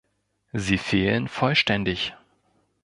Sie fehlen vollständig.